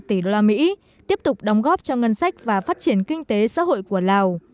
bốn một tỷ đô la mỹ tiếp tục đóng góp cho ngân sách và phát triển kinh tế xã hội của lào